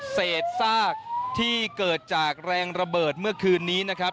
เศษซากที่เกิดจากแรงระเบิดเมื่อคืนนี้นะครับ